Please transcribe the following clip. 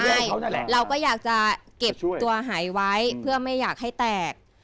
ใช่เราก็อยากจะเก็บตัวหายไว้เพื่อไม่อยากให้แตก